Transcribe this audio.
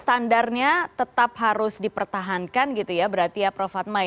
standarnya tetap harus dipertahankan berarti ya prof fatma